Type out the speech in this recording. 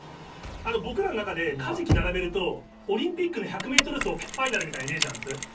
あの、僕らん中で、カジキ並べると、オリンピックの１００メートル走ファイナルみたいなイメージなんです。